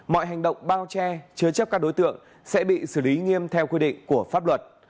mọi hành động bao che chứa chấp các đối tượng sẽ bị xử lý nghiêm theo quy định của pháp luật